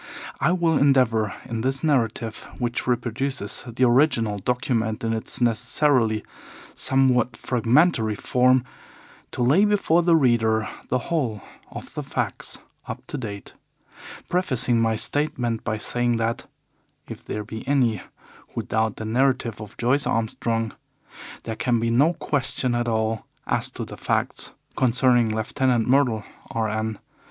I will endeavour in this narrative, which reproduces the original document in its necessarily somewhat fragmentary form, to lay before the reader the whole of the facts up to date, prefacing my statement by saying that, if there be any who doubt the narrative of Joyce Armstrong, there can be no question at all as to the facts concerning Lieutenant Myrtle, R. N.